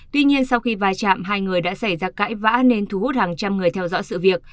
tuy nhiên sau khi va chạm hai người đã xảy ra cãi vã nên thu hút hàng trăm người theo dõi sự việc